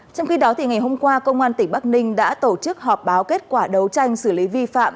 trong khi đó ngày hôm qua công an tỉnh bắc ninh đã tổ chức họp báo kết quả đấu tranh xử lý vi phạm